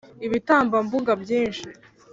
ibitambambuga byinshi